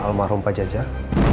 almarhum pak jajah